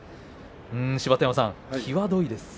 芝田山さん、際どいですね。